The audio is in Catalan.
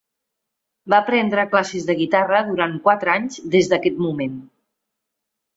Va prendre classes de guitarra durant quatre anys des d'aquest moment.